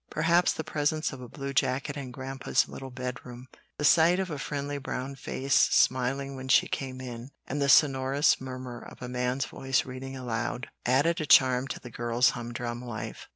Perhaps the presence of a blue jacket in Grandpa's little bedroom, the sight of a friendly brown face smiling when she came in, and the sonorous murmur of a man's voice reading aloud, added a charm to the girl's humdrum life.